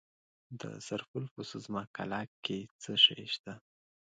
د سرپل په سوزمه قلعه کې څه شی شته؟